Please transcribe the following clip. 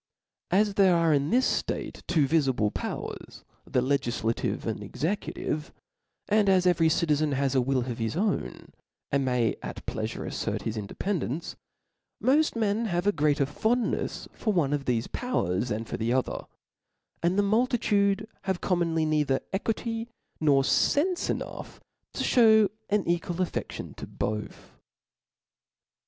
As there are in this ftate two vifible powers, thi legiflative and executive, and as every citizen has a will of his own, and may at pleafure aftert his independence ; pioft men have a greater fondneis for one of thefe powers than for the other, and the • multitude have commonly neither equity nor fcnfc enough, to (hew an equal afTedtion to both.